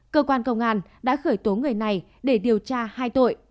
cơ quan công an đã khởi tố người này để điều tra hai tội